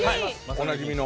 おなじみの。